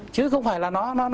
chứ không phải là